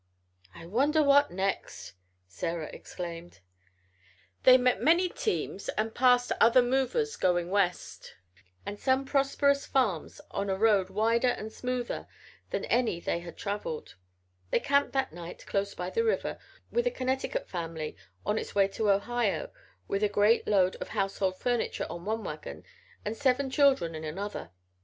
"I wonder what next!" Sarah exclaimed. They met many teams and passed other movers going west, and some prosperous farms on a road wider and smoother than any they had traveled. They camped that night, close by the river, with a Connecticut family on its way to Ohio with a great load of household furniture on one wagon and seven children in another.